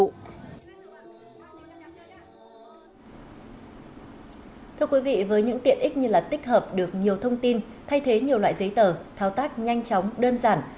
thưa quý vị với những tiện ích như là tích hợp được nhiều thông tin thay thế nhiều loại giấy tờ thao tác nhanh chóng đơn giản